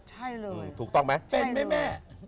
ใช่เลยถูกต้องไหมใช่เลยเป็นแม่